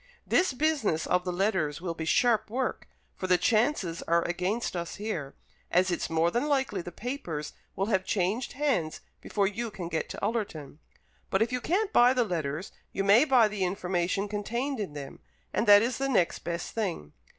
"This business of the letters will be sharp work, for the chances are against us here, as it's more than likely the papers will have changed hands before you can get to Ullerton. But if you can't buy the letters, you may buy the information contained in them, and that is the next best thing.